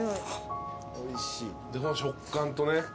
でこの食感とね。